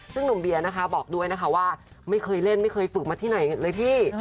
ซึ่งหนุ่มเบียร์นะคะบอกด้วยนะคะว่าไม่เคยเล่นไม่เคยฝึกมาที่ไหนเลยพี่